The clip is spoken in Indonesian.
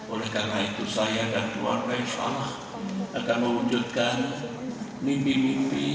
oleh karena itu saya dan keluarga insya allah akan mewujudkan mimpi mimpi